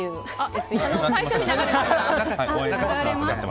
最初に流れました。